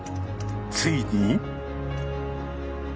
ついに。